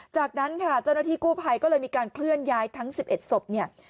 จากนั้นค่ะเจ้าหน้าที่กู้ภัยก็เลยมีการเคลื่อนย้ายทั้ง๑๑ศพเนี่ย